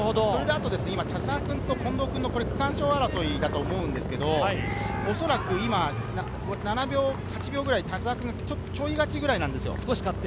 田澤君と近藤君の区間賞争いだと思うんですけど、おそらく今、７秒、８秒くらい、田澤君ちょい勝ちぐらいなんですよ。